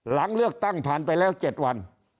หลังเลือกตั้งผ่านไปแล้ว๗วัน